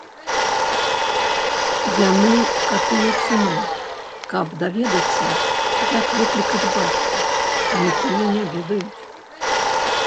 Яны катуюць сыноў, каб даведацца, як выклікаць бацьку, але тыя не выдаюць.